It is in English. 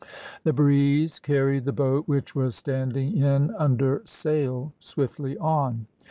The breeze carried the boat which was standing in under sail swiftly on.